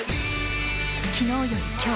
昨日より今日。